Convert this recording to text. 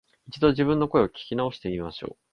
一度、自分の声を聞き直してみましょう